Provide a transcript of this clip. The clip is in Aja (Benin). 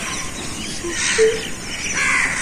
Shikpe.